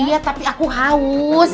iya tapi aku haus